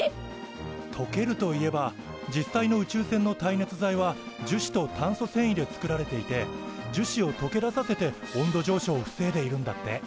とけるといえば実際の宇宙船の耐熱材は樹脂と炭素繊維で作られていて樹脂をとけ出させて温度上昇を防いでいるんだって。